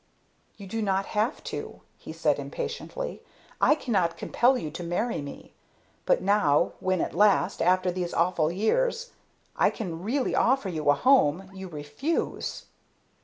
"You do not have to," he said patiently. "I cannot compel you to marry me. But now, when at last after these awful years I can really offer you a home you refuse!"